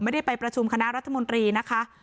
ไม่ได้ไปประชุมคณะรัฐมนตรีนะคะ